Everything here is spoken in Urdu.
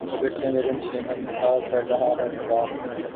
اگرچہ میرے نشیمن کا کر رہا ہے طواف